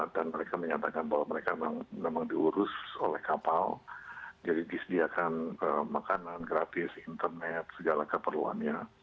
dan mereka menyatakan bahwa mereka memang diurus oleh kapal jadi disediakan makanan gratis internet segala keperluannya